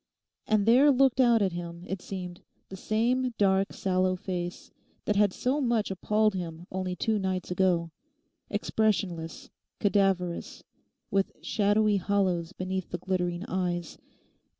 And there looked out at him, it seemed, the same dark sallow face that had so much appalled him only two nights ago—expressionless, cadaverous, with shadowy hollows beneath the glittering eyes.